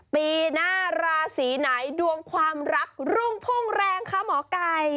ปีหน้าราศีไหนดวงความรักรุ่งพุ่งแรงคะหมอไก่